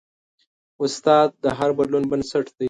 استاد د هر بدلون بنسټ دی.